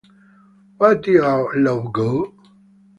Where Did Our Love Go